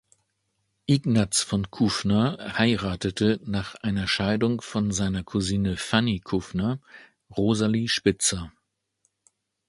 Ignaz von Kuffner heiratete, nach einer Scheidung von seiner Cousine Fanny Kuffner, Rosalie Spitzer.